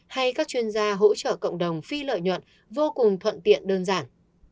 hay các chuyên gia hỗ trợ cộng đồng phi lợi nhuận vô cùng thuận tiện đơn giản